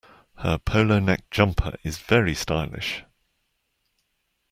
Her polo neck jumper is very stylish